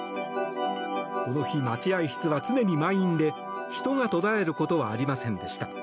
この日、待合室は常に満員で人が途絶えることはありませんでした。